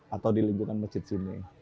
atau di lingkungan masjid sini